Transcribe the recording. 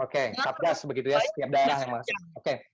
oke setiap daerah yang masuk